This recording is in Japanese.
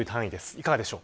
いかがでしょう。